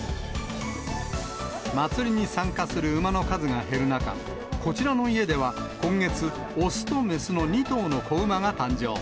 祭りに参加する馬の数が減る中、こちらの家では、今月、雄と雌の２頭の子馬が誕生。